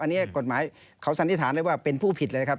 อันนี้กฎหมายเขาสันนิษฐานได้ว่าเป็นผู้ผิดเลยครับ